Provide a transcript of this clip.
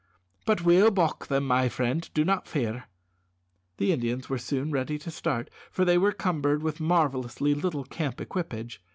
But we'll balk them, my friend, do not fear." The Indians were soon ready to start, for they were cumbered with marvellously little camp equipage.